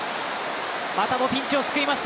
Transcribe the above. またもピンチを救いました